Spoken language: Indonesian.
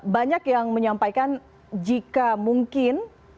banyak yang menyampaikan jika mungkin